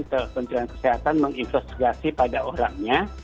kementerian kesehatan menginvestigasi pada orangnya